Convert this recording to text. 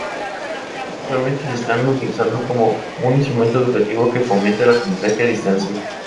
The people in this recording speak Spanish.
Actualmente se están utilizando como un instrumento educativo que fomenta el aprendizaje a distancia.